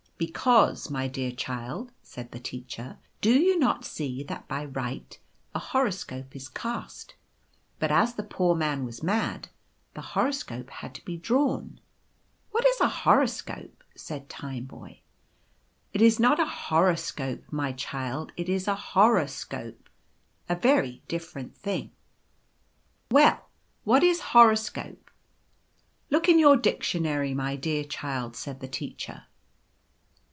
" Because, my dear child," said the Teacher, " do you not see that by right a horoscope is cast ; but as the poor man was mad the horoscope had to be drawn." " IVhat is a horror scope?" said Tineboy. Ci It is not horrorscope, my child ; it is horoscope — a very different thing." " Welly what is horoscope ?"" Look in your dictionary, my dear child," said the Teacher.